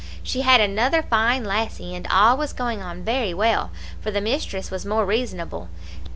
She had another fine lassie, and all was going on very well, for the mistress was more reasonable.